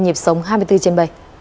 bản tin nhịp sống hai mươi bốn trên bảy